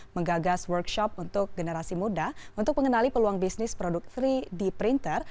menggagas workshop untuk generasi muda untuk mengenali peluang bisnis produk tiga d printer